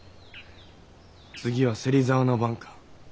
次は芹沢の番か？